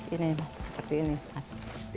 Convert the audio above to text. ini mas seperti ini mas